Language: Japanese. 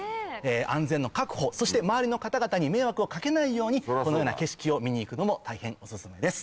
安全の確保そして周りの方々に迷惑を掛けないようにこのような景色を見に行くのも大変お薦めです。